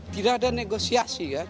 tidak ada negosiasi